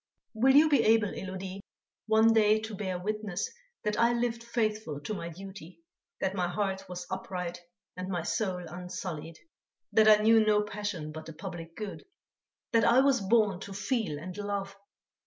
"Will you be able, Élodie, one day to bear witness that I lived faithful to my duty, that my heart was upright and my soul unsullied, that I knew no passion but the public good; that I was born to feel and love?